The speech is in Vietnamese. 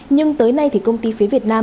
nhưng tới nay thì công ty phía việt nam